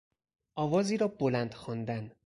آوازی را بلند خواندن